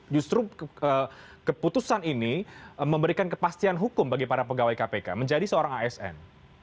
justru keputusan ini memberikan kepastian hukum bagi para pegawai kpk menjadi seorang asn